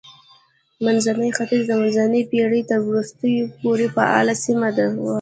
منځنی ختیځ د منځنۍ پېړۍ تر وروستیو پورې فعاله سیمه وه.